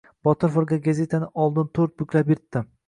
Botir firqa gazetani oldin to‘rt buklab yirtdi.